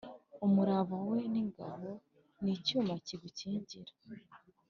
umurava we ni ingabo n’icyuma kigukingira.